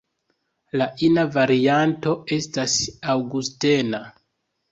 La ina varianto estas Aŭgustena.